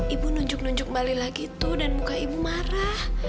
ibu nunjuk nunjuk balilah gitu dan muka ibu marah